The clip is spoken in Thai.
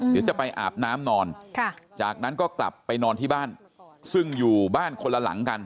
เดี๋ยวจะไปอาบน้ำนอนจากนั้นก็กลับไปนอนที่บ้านซึ่งอยู่บ้านคนละหลังกัน